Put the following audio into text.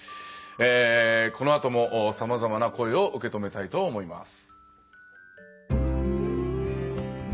このあとも、さまざまな声を受け止めたいと思います。